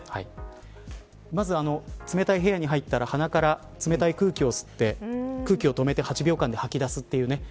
まず冷たい部屋に入ったら鼻から冷たい空気を吸って空気を止めて８秒間で吐き出すというね。